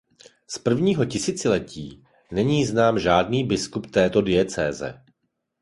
Z prvního tisíciletí není znám žádný biskup této diecéze.